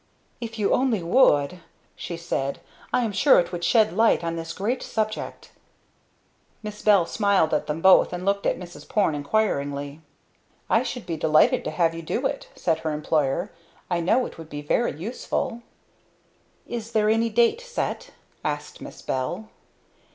"If you only would!" she said. "I am sure it would shed light on this great subject!" Miss Bell smiled at them both and looked at Mrs. Porne inquiringly. "I should be delighted to have you do it," said her employer. "I know it would be very useful." "Is there any date set?" asked Miss Bell.